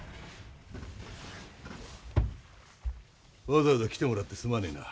わざわざ来てもらってすまねえな。